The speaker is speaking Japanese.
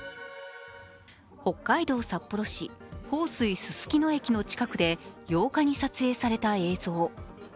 北海道札幌市、豊水すすきの駅近くで８日に撮影された映像。